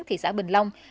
thị xã bình long